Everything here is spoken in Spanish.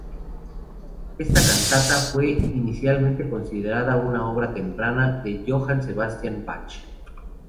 Esta cantata fue inicialmente considerada una obra temprana de Johann Sebastian Bach.